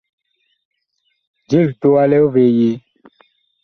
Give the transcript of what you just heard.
Je litowa lig vee yee ?